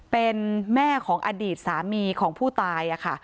เป็นแม่ของอดีตสามีของผู้ตายค่ะ